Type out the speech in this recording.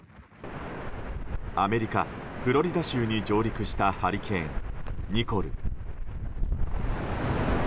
アメリカ・フロリダ州に上陸したハリケーン、ニコル。